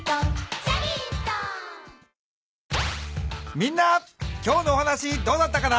みんな今日のお話どうだったかな？